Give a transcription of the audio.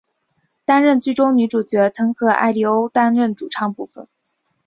担任剧中女主角的藤和艾利欧担当主唱部分。